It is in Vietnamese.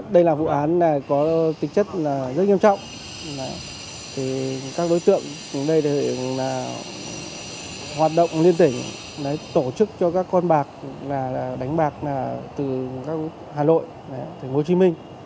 đây là vụ án có tính chất rất nghiêm trọng các đối tượng ở đây hoạt động liên tỉnh tổ chức cho các con bạc đánh bạc từ hà nội thành phố hồ chí minh